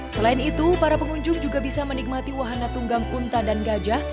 selain itu para pengunjung juga bisa menikmati wahana tunggang unta dan gajah